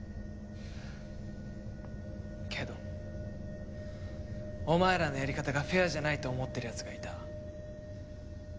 けどお前らのやり方がフェアじゃないと思ってる奴がいた。